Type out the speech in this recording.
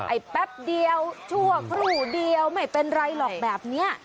แป๊บเดียวชั่วครู่เดียวไม่เป็นไรหรอกแบบนี้